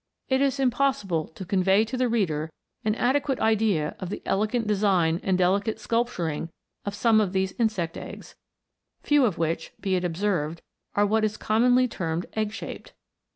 It is impossible to convey to the reader an adequate idea of the elegant design and delicate sculpturing of some of these insect eggs ; few of which, be it observed, are what is commonly termed egg shaped.